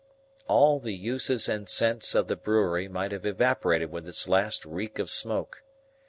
All the uses and scents of the brewery might have evaporated with its last reek of smoke.